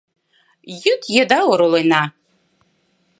Йӱд еда оролена.